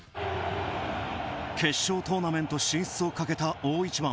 決勝トーナメント進出をかけた大一番。